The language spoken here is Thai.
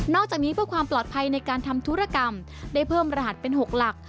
อกจากนี้เพื่อความปลอดภัยในการทำธุรกรรมได้เพิ่มรหัสเป็น๖หลัก